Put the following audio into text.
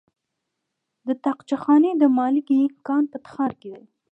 د طاقچه خانې د مالګې کان په تخار کې دی.